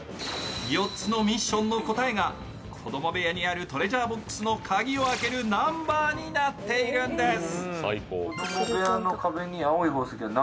４つのミッションの答えが子供部屋にあるトレジャーボックスの鍵を開けるナンバーになっているんです。